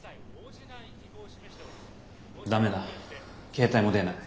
ダメだ携帯も出ない。